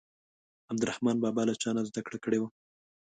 عبدالرحمان بابا له چا نه زده کړه کړې وه.